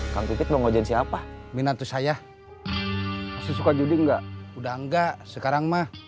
kamu mau ngajin siapa minat saya suka judi enggak udah enggak sekarang mah